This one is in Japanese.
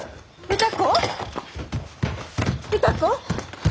歌子？